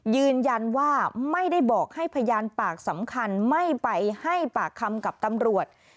ยืนยันว่าไม่ได้บอกให้พยานปากสำคัญไม่ไปให้ปากคำกับตำรวจ